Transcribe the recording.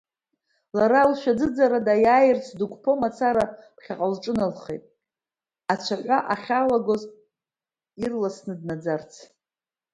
Лара, лшәаӡыӡара даиааирц дақәԥо мацара, ԥхьаҟа лҿыналхеит, ацәаҳәа ахьалагоз ирласны днаӡарц.